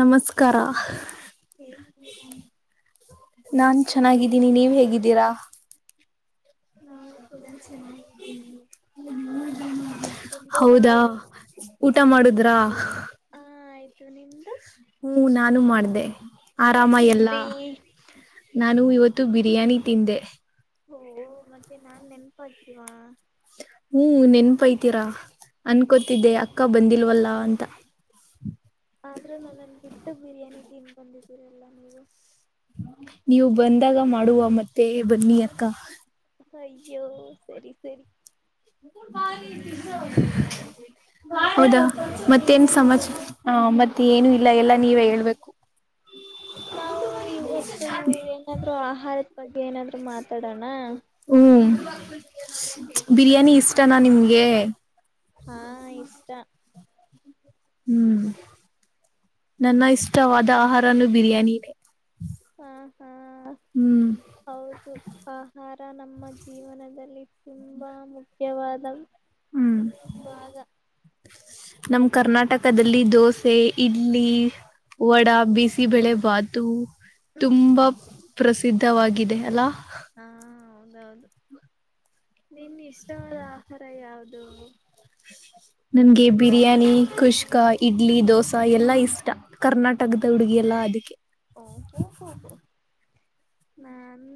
ನಮಸ್ಕಾರ. ನಾನ್ ಚೆನ್ನಾಗಿದ್ದೀನಿ ನೀವ್ ಹೇಗಿದ್ದೀರಾ. ನಾವು ಕೂಡ ಚೆನ್ನಾಗಿದ್ದೀನಿ. ಹೌದಾ ಊಟ ಮಾಡಿದ್ರಾ. ಹ್ಮ ನಾನು ಮಾಡ್ದೆ ಆರಾಮ ಎಲ್ಲಾ. ನಾನು ಇವತ್ತು ಬಿರಿಯಾನಿ ತಿಂದೆ. ಓ ಮತ್ತೆ ನಾನ್ ನೆನಪಾಗಿಲ್ವ. ಹ್ಮ ನೆನ್ಪೈತೀರಾ ಅನ್ಕೋತಿದ್ದೆ ಅಕ್ಕ ಬಂದಿಲ್ವ ವಲ್ಲ ಅಂತ. ಆದ್ರು ನನ್ನನ್ನ ಬಿಟ್ಟು ಬಿರಿಯಾನಿ ತಿಂದ ಬಂದಿದ್ದೀರಲ್ಲ ನೀವು ನೀವು ಬಂದಾಗ ಮಾಡುವ ಮತ್ತೆ ಬನ್ನಿ ಅಕ್ಕ. ಅಯ್ಯೋ ಸರಿ ಸರಿ. [unintelligible] ಹೌದಾ ಮತ್ತೇನ್ ಸಮಾಚಾ ಹ ಮತ್ತೆ ಏನು ಇಲ್ ಇಲ್ಲ ಎಲ್ಲಾ ನೀವೇ ಹೇಳ್ಬೇಕು. ನಾವು ಇವತ್ತು ಏನಾದ್ರು ಆಹಾರದ ಬಗ್ಗೆ ಏನಾದ್ರೂ ಮಾತಾಡೋಣ. [unintelligible] ಬಿರಿಯಾನಿ ಇಷ್ಟನಾ ನಿಮ್ಗೆ ಹ್ಹಾ ಇಷ್ಟ. ಹ್ಮ್ ನನ್ನ ಇಷ್ಟವಾದ ಆಹಾರಾನೂ ಬಿರಿಯಾನೀನೇ. ಹಾ ಹಾ ಹೌದು ಆಹಾರ [unintelligible] ನಮ್ಮ ಜೀವನದಲ್ಲಿ ತುಂಬಾ ಮುಖ್ಯವಾದ ಭಾಗ. ನಮ್ ಕರ್ನಾಟಕದಲ್ಲಿ ದೋಸೆ ಇಡ್ಲಿ ವಡ ಬಿಸಿಬೆಳೆ ಬಾತು ತುಂಬಾ ಪ್ರಸಿದ್ಧವಾಗಿದೆ ಅಲ್ಲ. ಹಾ ಹೌದೌದು. ನಿನ್ ಇಷ್ಟವಾದ ಆಹಾರ ಯಾವುದು ಕುಷ್ಕಾ ಇಡ್ಲಿ ದೋಸಾ ಎಲ್ಲಾ ಇಷ್ಟ ಕರ್ನಾಟಕದ ಹುಡುಗಿ ಅಲ್ಲ ಅದಕ್ಕೆ ಓಹೋ ಹೊ ಹೊ ನನ್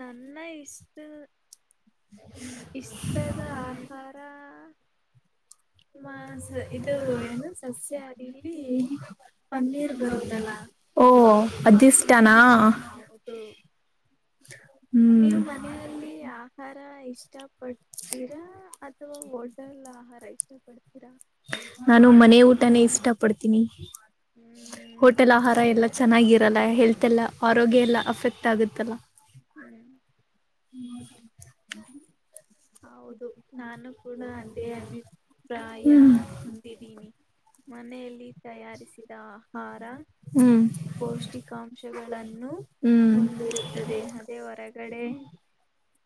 ನನ್ನ ಇಷ್ಟು ಇಷ್ಟದ ಆಹಾರ ಉಮಾ ಸ್ ಇದು ಸಸ್ಯ [unintelligible] ಪನ್ನೀರ್ ಬರುತ್ತಲ್ಲ ಓ ಅಧಿಷ್ಟಾ ಹೌದು ನೀವು ಮನೆನಲ್ಲಿ ಆಹಾರ ಇಷ್ಟ ಪಡ್ತೀರಾ ಅಥವಾ ಹೋಟೆಲ್ ಆಹಾರ ಇಷ್ಟಪಡುತ್ತೀರಾ‌. ನಾನು ಮನೆಊ ಇಷ್ಟು ಪಡ್ತೀನಿ ಹೋಟೆಲ್ ಆಹಾರ ಎಲ್ಲ ಚೆನ್ನಾಗಿ ರಲ್ಲ ಹೆಲ್ತ್ ಎಲ್ಲ ಆರೋಗ್ಯ ಎಲ್ಲ ಅಫೆಕ್ಟ್ ಆಗುತ್ತಲ್ಲ. ಹ್ಮ್ ಹ್ಮ್ ಹೌದ್ ದು ನಾನು ಕೂಡ ಅದೇ ಅಭಿಪ್ರಾಯ ಹೊಂದಿದ್ದೀನಿ. ಮನೆಯಲ್ಲಿ ತಯಾರಿಸಿದ ಆಹಾರ ಪೌಷ್ಟಿಕಾಂಶಗಳನ್ನು ಹೊಂದಿರುತ್ತದೆ ಅದೇ ಹೊರಗಡೆ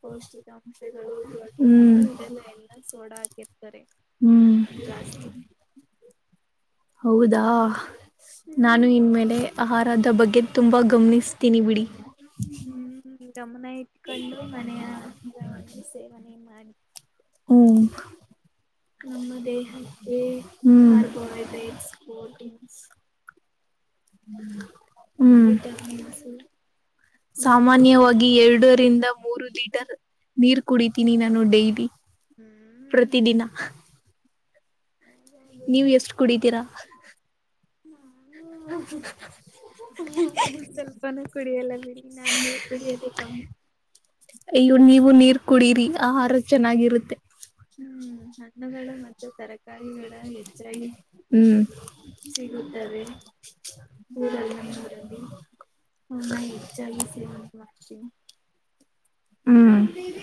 ಪೌಷ್ಟಿಕಾಂಶಗಳು ಇದೆಲ್ಲ ಎಲ್ಲಾ ಸೋಡ ಹಾಕಿರ್ತಾರೆ ಜಾಸ್ತಿ ಹೌದಾ ನಾನು ಇನ್ಮೇಲೆ ಆಹಾರದ ದ ಬಗ್ಗೆ ತುಂಬಾ ಗಮನಿಸ್ತೀನಿ ಬಿಡಿ ಹ್ಮ್ ಗಮನ ಇಟ್ಕೊಂಡು ಮನೆಯ ಆಹಾರವನ್ನು ಸೇವನೆ ಮಾಡಿ. ಹೂ ನಿಮ್ಮ ದೇಹಕ್ಕೆ ಹ್ಮ್ ಅದು ಒಳ್ಳೆ ಪ್ರೋರ್ಟಿನ್ಸ್ ಹ್ಮ ಹ್ನ ಸಾಮಾನ್ಯವಾಗಿ ಎರಡು ಡರಿಂದ ಮೂರು ಲೀಟರ್ ನೀರ್ ಕುಡಿತೀನಿ ನಾನು ಡೈಲಿ ಪ್ರತಿದಿನ ನೀವು ಎಷ್ಟು ಕುಡಿತೀರಾ ಹ್ [unintelligible] ಹ್ಮ ಹ ಹ್ [unintelligible] ಅಯ್ಯೋ ನೀವು ನೀರು ಕುಡೀರಿ ಆಹಾರ ಚೆನ್ನಾಗಿರುತ್ತೆ. ಹ್ಮ ಹಣ್ಣುಗಳು ಮತ್ತು ತರಕಾರಿಗಳು ಹೆಚ್ಚಾಗಿ ಹ್ಮ್ ಸಿಗುತ್ತದೆ ಊರಲ್ಲಿ ನಿಮ್ಮ ಊರಲ್ಲಿ ಅವುನ ಹೆಚ್ಚಾಗಿ ಸೇವನೆ ಮಾಡ್ತೀನಿ. ಹ್ಮ್ ಪನೀವ್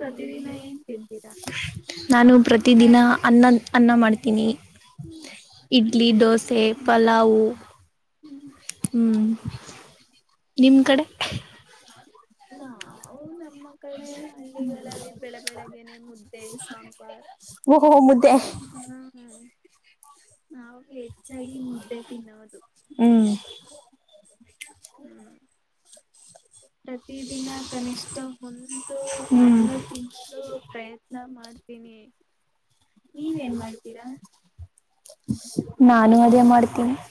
ಪ್ರತಿದಿನ ಏನ್ ತಿನ್ನತ್ತೀರಾ ನಾನು ಪ್ರತಿ ತಿದ್ದಿಲ್ಲ ಅನ್ನ್ ಅನ್ನ ಮಾಡ್ತೀನಿ ಇಡ್ ಇಡ್ಲಿ ದೋಸೆ ಪಲಾವು ಹ್ಮ್ ನಿಮ್ ಕಡೆ ಹಾ ನಮ್ಮ ಕಡೆ ಹಳ್ಳಿಗಳಲ್ಲಿ ಬೆಳ್ಳ ಬೆಳ್ಳಗೆನೆ ಮುದ್ದೆ ಸಾಂಬಾರ್ ಹ ಹೋ ಮುದ್ದೆ ನಾವು ಹೆಚ್ಚಾಗಿ ಮುದ್ದೆ ತಿನ್ ಹ್ಮ್ ಹ್ಮ್ ಪ್ರತಿದಿನ, ಕನಿಷ್ಠ ಹೊಂತು ಹಣ್ಣು, ತಿನ್ನಲು ಪ್ರಯತ್ನ ಮಾಡಿ. [unintelligible] ಮಾಡ್ತೀನಿ, ನೀವೇನ್ ಮಾಡ್ತೀರಾ? [inaudible] ನಾನು, ಅದೇ ಮಾಡ್ತೀನಿ? [inaudible]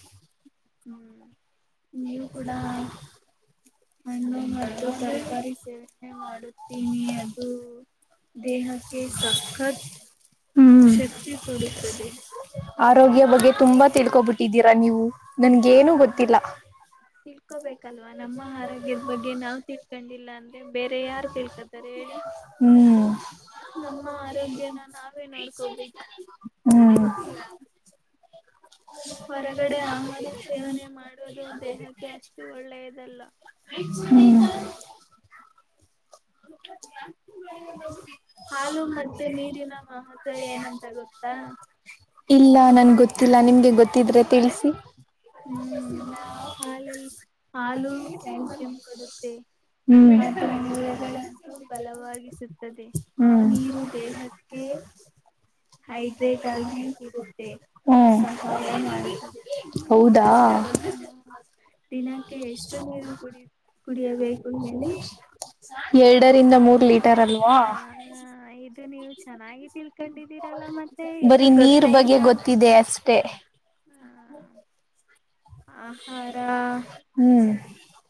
ಹ್ಮ್. [inaudible] ಹೂ, ನೀವು ಕೂಡ! [unintelligible] ಹಣ್ಣು, ಮತ್ತು ತರಕಾರಿ ಸೇವನೆ! ಮಾಡುತ್ತೀನಿ ಅದು? [inaudible] ದೇಹಕ್ಕೆ, ಸಾಕಾಯ್ತು. [unintelligible] ಹ್ಮ್, ಶಕ್ತಿ ಕೊಡುತ್ತದೆ, ಆರೋಗ್ಯ ಬಗ್ಗೆ ತುಂಬಾ ತಿಳ್ಕೊಬಿಟ್ಟಿದ್ದೀರಾ! ನೀವು. [unintelligible] ಹಾ, ತಿಳ್ಕೋಬೇಕಲ್ವಾ, ನಮ್ಮ ಹಾರ. [inaudible] ಆರೋಗ್ಯದ, ಬಗ್ಗೆ ನಾವ್ ತಿಳ್ಕೊಂಡಿಲ್ಲ! ಅಂದ್ರೆ ಬೇರೆ, ಯಾರು, ತಿಳ್ಕತಾರೆ ಹೇಳಿ? [inaudible] ನಮ್ಮ ಆರೋಗ್ಯ! ಹ್ಮ್ಮ್, ಹ್ಮ. [unintelligible] ಹೊರಗಡೆ, ಆಮೇಲೆ, ಚೇಂಜ್, ಮದುವೆಗೆ ಅಂತ, ಹೇಳಿ? [unintelligible] ಹ್ಮ್. [unintelligible] [unintelligible] [inaudible] ಹಾಲೂ, ಮತ್ತೆ, ನೀರಿನ, ಬತ್ತೆ, ಏನಂತ ಗೊತ್ತಾ? [unintelligible] ಇಲ್ಲ, ನನಗೆ, ಗೊತ್ತಿಲ್ಲ! ನಿಮ್ಗೆ ಗೊತ್ತಿದ್ರೆ ತಿಳ್ಸಿ? [unintelligible] ಹ್ಮ. [unintelligible] ಹಾಲು, ಟೆನ್ಶನ್, ಹ್ಮ್. [unintelligible] ಅವುಗಳನ್ನು, ಬಲವಾಗಿಸುತ್ತದೆ! ನೀರು ದೇಹಕ್ಕೆ? [inaudible] ಹ್ಮ, ಹೌದು? [unintelligible] ಹೌದ? [unintelligible] ಮತ್ತೆ, ಎಷ್ಟು, ಮೂವಿ, ಗೊತ್ತುಹೇಳಿ. [unintelligible] ಎರಡರಿಂದ, ಮೂರ್ ಲೀಟರ್, ಅದು! [inaudible] ಹಾ, ಇದು ನೀವು ಚೆನ್ನಾಗಿ! ತಿಳ್ಕೊಂಡಿದ್ದೀರಲ್ಲ ಮತ್ತೆ, ಏನೋ, ಗೊತ್ತೇ ಇಲ್ಲ? [inaudible] ದೇ, ಅಷ್ಟೇ! [unintelligible] ಅಮೇರಾ, ಹ್ಮ್ಮ್..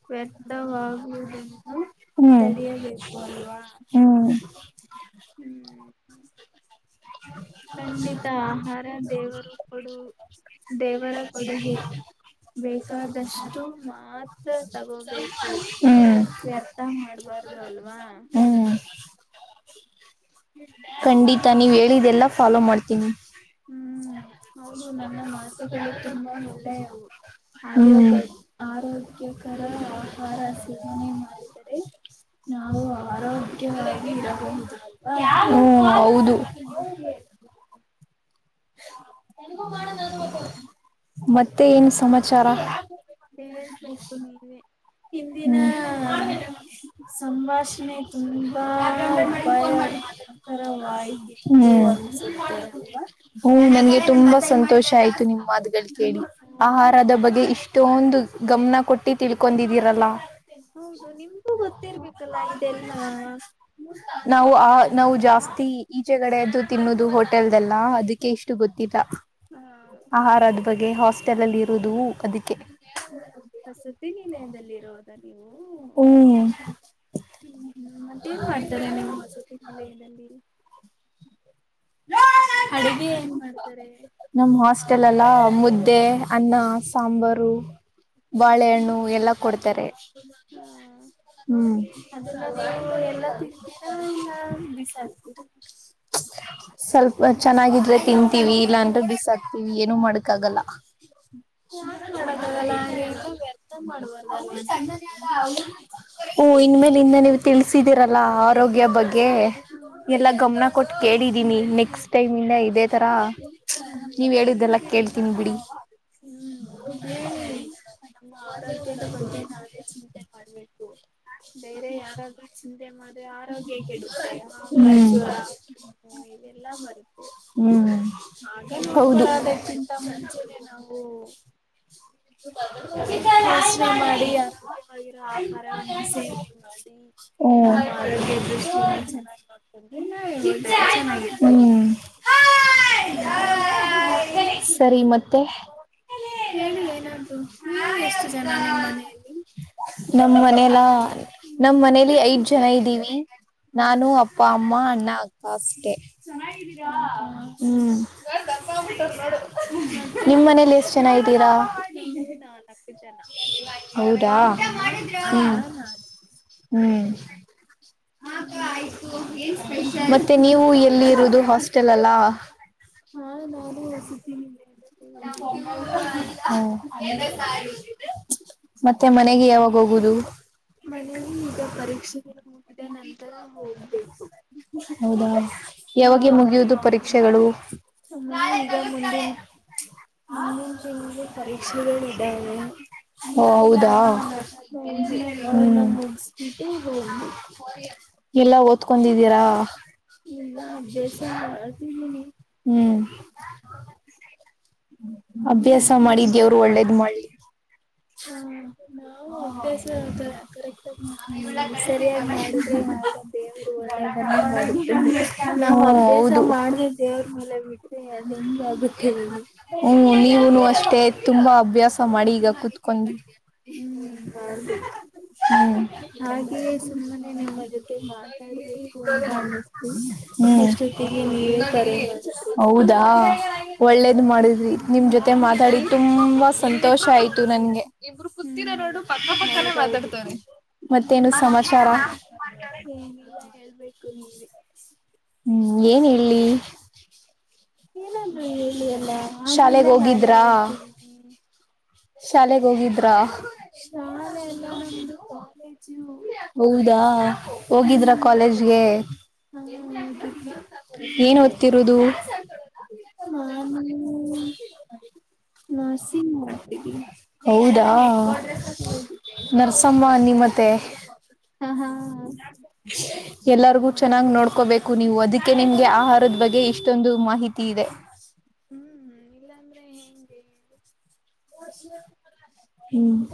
[unintelligible] ಎಂತವಾಗಿ ಬಂದು, ಸರಿಯಾಗಿತ್ತು, ಆಲ್ವಾ, ಹ್ಮ್ ಹ್ಮ್. [unintelligible] ಹ್ಮ್ಮ್. [unintelligible] ಖಂಡಿತ ಹಾಗೆ ಮಾಡಿ ಅಂತ ಹೇಳಿ. [unintelligible] ಬೇರೆಯವರ ಕೊಡುಗೆ? [unintelligible] ಬೇಕಾದಷ್ಟು, ಹ್ಮ, ಅರ್ಥ, ಮಾಡಬೇಕು! ವ್ಯರ್ಥ ಮಾಡು. [unintelligible] ಹ್ಮ್. [unintelligible] ಖಂಡಿತಾ, ನೀವ್ ಹೇಳಿದೆಲ್ಲಾ! ಫಾಲೋ ಮಾಡ್ತೀನಿ? [unintelligible] ಹ್ಮ್, ಹೌದು, ನನ್ನ, ಮಾತುಗಳು, ತುಂಬಾ ಒಳ್ಳೆಯವು? [inaudible] ಆರ್ಯೋಗ, ಆರೋಗ್ಯಕರ! ಆಹಾರ, ಸೃಚನೆ ಮಾಡಿದರೆ? [inaudible] ನಾವು ಆರೋಗ್ಯವಾಗಿರಬಹುದು! ಹ್ಮ ಹೌದು? [unintelligible] [inaudible] [unintelligible] ಮತ್ತೆ, ಏನ್ ಸಮಾಚಾರ? [unintelligible] ಕೇಳಬೇಕು ನೀವೇ, ಹಿಂದಿನ? [unintelligible] ಸಂಭಾಷಣೆ, ತುಂಬಾ, ಉಪಾಯರಿ! [unintelligible] ಕೊರಿಯಾಲ್ವಾ, ಐದು ದಿವಸ, ಹೂ.. [unintelligible] ನಂಗೆ, ತುಂಬಾ ಸಂತೋಷ ಆಯ್ತು! ನಿಮ್ಮ ಮಾತುಗಳು ಕೇಳಿ ಆಹಾರದ ಬಗ್ಗೆ ಇ. [unintelligible] ಮತ್ತೆಂದು, ಗಮನ ಕೊಟ್ಟಿ ತಿಳ್ಕೊಂಡಿದೀರಲ್ಲಾ. [unintelligible] ನಿಮ್ಗೂ, ಗೊತ್ತಿರಬೇಕಾಲಾ, ಇದ್ದೇಲ್ಲ.? [unintelligible] ನಾವು, ಆ ನಾವು ಜಾಸ್ತಿ? [unintelligible] ತ್ತಿ, ಈಛೆ ಗಡೆದು ತಿನ್ನುದು! ಹೋಟೆಲ್ದೆಲ್ಲಾ ಅದಕ್ಕೆ, ಇಷ್ಟು, ಗೊತ್ತು? [inaudible] ಅಂತಿದ್ದ, ಆಹಾರದ ಬಗ್ಗೆ ಹಾಸ್ಟೆಲ್! ಅಲ್ಲಿ ಇರೋದು ಅದಕ್ಕೆ. [inaudible] ಹ, ಸತಿ ನಿಲಯದಲ್ಲಿ, ಇರೋದಾ, ನೀವು. [unintelligible] ಹ್ಮ್, ಹ್ಮ್, ಮತ್ತೇನ್ ಮಾಡ್ತಾರೆ! ನಿಮ್ಮ ಸತಿ ನಿಲಯದಲ್ಲಿ? [inaudible] ಲೋ, ಅಡಿಗೆ ಏನ್ ಮಾಡ್ತಿದ್ದೀರಿ, ನಮ್ಮ ಹಾಸ್ಟೆಲಲ್ಲ! ಮುದ್.. [unintelligible] ದ್ದೇ ಅನ್ನ ಸಾಂಬಾರು ಬಾಳೆಹಣ್ಣು ಎಲ್ಲಾ ಕೊಡ್ತಾರೆ. [inaudible] ಹ್ಮ್ ಹ್ಮ್ ಎಲ್ಲಾ ತಿಂತೀರಾ ಇಲ್ಲ ಬಿಸಕ್ತೀರಾ. [unintelligible] [inaudible] ಸ್ವಲ್ಪ ಚೆನ್ನಾಗಿದ್ರೆ ತಿಂತೀವಿ ಇಲ್ಲಾ ಅಂದ್ರೆ ಬಿಸಾಕ್ತಿವಿ ಏನು ಮಾಡಕ ಆಾಗಲ್ಲ. [unintelligible] [inaudible] ಓ ಇನ್ಮೇಲಿಂದ ನೀವು ತಿಳಸಿದ. [inaudible] [unintelligible] ಲ್ಲ ಆರೋಗ್ಯ ಬಗ್ಗೆ ಎಲ್ಲಾ ಗಮನ ಕೊಟ್ಟು ಕೇಳಿ. ದ್ದೀನಿ ನೆಕ್ಸ್ಟ್ ಟೈಮ್ ಇಂದ ಇದೇ ತರ ನೀವ್ ಹೇಳದೆಲ್ಲ ಕೇಳ್ತೀನಿ ಬಿಡಿ. ಹ ಹ್ಮ ನಮ್ಮ ಆರೋಗ್ಯದ ಬಗ್ ನಾವೇ ಚಿಂತೆ ಮಾಡಬೇಕು. [unintelligible] [inaudible] ಹ್ಮ್ ಹೌದು. ತಾವು. [unintelligible] [inaudible] ಯೋಚನೆ ಮಾಡಿ ಆರೋಗ್ಯವಾಗಿರೋ ಆಹಾರವನ್ನಾ ಸೇವನೆ ಮಾಡಿ. ಹೂ ಆರೋಗ್ಯ ಇದ್ರೇನೆ ಚೆನ್ನಾಗಿ. ಏಕೆಂದರೆ ನಾಳೆ ಒಳ್ಡಾಗಿ ಚೆನ್ನಾಗಿರ್ತೀವಿ ಹ್ಮ್. ಸರಿ ಮತ್ತೆ. [inaudible] ಹೇಳಿ ಏನಾದ್ರೂ. ಎಷ್ಟು ಜನ ನಿಮ್ಮ ಮನೆಯಲ್ಲಿ. ನಮ್ಮ ಮನೆಯಲ್ಲ ನಮ್ಮ್ ಮನೇಲಿ ಐದ ಜ. ಇದ್ದೀವಿ ನಾನು ಅಪ್ಪ ಅಮ್ಮ ಅಣ್ಣ ಅಕ್ಕ ಅಷ್ಟೇ. ಹ್ಮಂ. ನಿಮ್ ಮನೇಲಿ ಎಷ್ಟ ಚನ ಇದ್ದೀರಾ. ಇಲ್ಲು ನಾಲ್ಕು ಜನ ಅಪ್ಪ ಅಣ್ಣ ಮತ್ತು. ಹ್ಮ ಮತ್ತೆ ನೀವು ಎಲ್ಲಿ ಇರೋದು. ಹಾಸ್ಟೆಲಲ್ಲ. ಹಾ ಮತ್ತೆ ಮನೆಗೆ ಯಾವಾಗ ಹೋಗೋದು. ಮನೆಗೆ ಈಗ ಪರೀಕ್ಷೆಗಳು ಮುಗಿದ ನಂತರ ಹೋಗ್ಬೇಕು. ಹೌದಾ ಯಾವಾಗ ಈ ಮುಗಿಯೋದು ಪರೀಕ್ಷೆಗಳು. ಮುಂದಿನ್ ತಿಂಗಳು ಪರೀಕ್. ಕ್ಷೆಗಳು ಇದ್ದಾವೆ. ಹೌದಾ ಹ್ಮ ಎಲ್ಲ ಓದ್ಕೊಂಡಿದ್ದೀರಾ. ಇಲ್ಲ ಅಭ್ಯಾಸ ಮಾಡತಿದ್ದೀನಿ. ಅಭ್ಯಾಸ ಮಾಡಿ ದೇವರು ಒಳ್ಳೇದ್ ಮಾಡ್ಲಿ. ಹ ನಾವು ಅಭ್ಯಾಸ ಕರೆಕ್ಟ್ ಕರೆಟಾಗ್ಗಿ ಮಾಡಿ ಸರಿಯಾಗಿ ಮಾಡಿದ್ರೆ ನಾವು. ಹಾ ಹೌದು. ಹ್ಮ ನೀವುನು ಅಷ್ಟೇ ತುಂಬಾ ಅಭ್ಯಾಸ ಮಾಡಿ ಈಗ ಕುತ್ಕೊಂಡು ಹ್ಮ್ ಹಾಗೆ ಸುಮ್ಮನೆ ನಿಮ್ಮ ಜೊತೆ ಮಾತಾಡ್ಬೇಕು ಅನ್ನಿಸ್ತು ಹ್ಮ ಹೌದಾ ಒಳ್ಳೆ ಇದು ಮಾಡಿದ್ವಿ ನಿಮ್ಮ ಜೊತೆ ಮಾತಾಡಿ ತುಂಬಾ ಸಂತೋಷ ಆಯ್ತು ನನ್ಗೆ ಇಬ್ರು ಕುತ್ತೀರಾ ನೋಡು ಪಕ್ಕ ಪಕ್ಕಾನೆ ಕುಂತು ಮಾತಾಡ್ತವ್ರೇ ಮತ್ತೇನು ಸಮಾಚಾರ ಹೇಳ್ಬೇಕು ನೀವೇ ಹ್ಮ್ ಏನ್ ಹೇಳಿ ಏನಾದ್ರು ಹೇಳಿ ಅಲ್ಲಾ ಆಗ್ಲಿಂದ ನಾನೆ ಹೇಳ್ತಿದೀನಿ ಶಾಲೆಗ ಹೋಗಿದ್ರ. ಹೌದಾ ಹೋಗಿದ್ರ ಕಾಲೇಜ್ಗೆ. ಏನ್ ಓದುತಿರೋದು [inaudible] [unintelligible] ಹೌದಾ ನರಸಮ್ಮ ನಿ ಮತ್ತೆ. ಹ ಹ ಎಲ್ಲರಿಗು ಚೆನ್ನಾಗ್ ನೋಡ್ಕೋಬೇಕ್. ಕು ನೀವು ಅದಕ್ಕೆ ನಿಮ್ಗೆ ಆಹಾರದ ಬಗ್ಗೆ ಇಷ್ಟೊಂದು ಮಾಹಿತಿ ಇದೆ. [unintelligible] ಹ್ಮ್